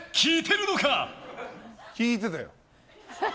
聞いてたよ。